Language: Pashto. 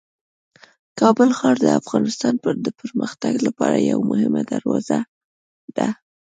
کابل ښار د افغانستان د پرمختګ لپاره یوه مهمه دروازه ده.